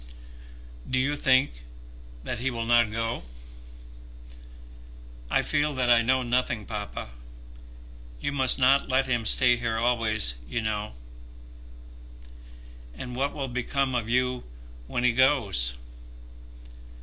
"Do you think that he will not go?" "I feel that I know nothing, papa. You must not let him stay here always, you know." "And what will become of you when he goes?"